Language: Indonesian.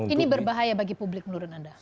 ini berbahaya bagi publik menurut anda